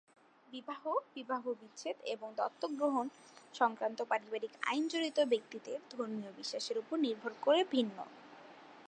বিবাহ, বিবাহবিচ্ছেদ এবং দত্তক গ্রহণ সংক্রান্ত পারিবারিক আইন জড়িত ব্যক্তিদের ধর্মীয় বিশ্বাসের উপর নির্ভর করে ভিন্ন।